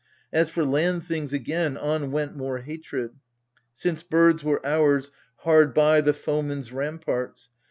As for land things, again, on went more hatred ! Since beds were ours hard by the foemen's ramparts.